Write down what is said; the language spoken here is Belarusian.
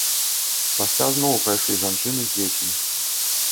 Пасля зноў прайшлі жанчыны з дзецьмі.